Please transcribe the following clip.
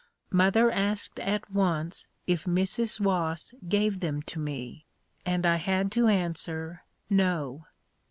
Mother asked at once if Mrs. Wass gave them to me and I had to answer, "No."